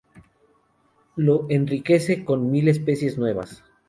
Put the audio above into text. Lo enriquece con mil especies nuevas.